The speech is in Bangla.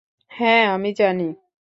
হ্যাঁ, আমি জানি!